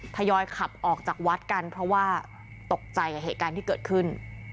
ทยอยขับออกจากวัดกันเพราะว่าตกใจเกิดขึ้น